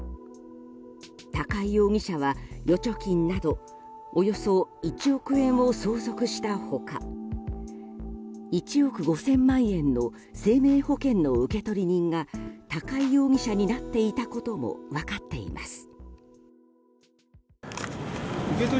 高井容疑者は、預貯金などおよそ１億円を相続した他１億５０００万円の生命保険の受取人が高井容疑者になっていたことも分かっています。